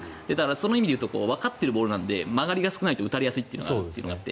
その意味でいうとわかっているボールなので曲がりが少ないと打たれやすいというのがあって。